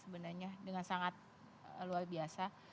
sebenarnya dengan sangat luar biasa